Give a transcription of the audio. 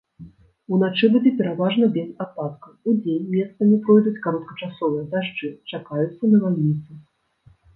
Уначы будзе пераважна без ападкаў, удзень месцамі пройдуць кароткачасовыя дажджы, чакаюцца навальніцы.